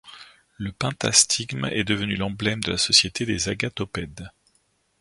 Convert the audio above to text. Le pentastigme est devenu l'emblème de la Société des agathopèdes.